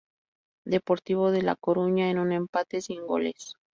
Deportivo de La Coruña en un empate sin goles.